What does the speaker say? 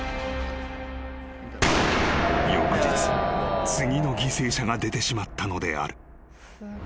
［翌日次の犠牲者が出てしまったのである］